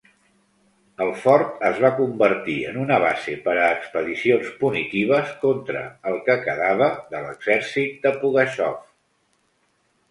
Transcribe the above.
El fort es va convertir en una base per a expedicions punitives contra el que quedava de l'exèrcit de Pugatxov.